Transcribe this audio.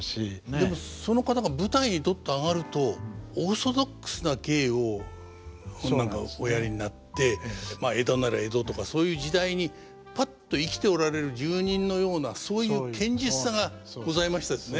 でもその方が舞台にどっと上がるとオーソドックスな芸を何かおやりになってまあ江戸なら江戸とかそういう時代にぱっと生きておられる住人のようなそういう堅実さがございましたですね。